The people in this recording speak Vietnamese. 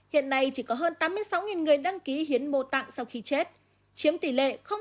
hiện nay chỉ có hơn tám mươi sáu người đăng ký hiến mô tạng sau khi chết chiếm tỷ lệ tám